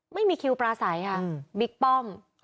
ไม่มีคิวปลาไส้อ่ะอืมบิ๊กป้อมอ๋อ